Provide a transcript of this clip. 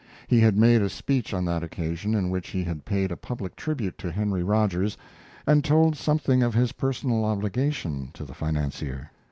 He had made a speech on that occasion, in which he had paid a public tribute to Henry Rogers, and told something of his personal obligation to the financier.